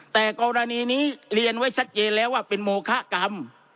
แต่กรณีนี้เรียนไว้ชัดเจนแล้วว่าเป็นโมคะกรรม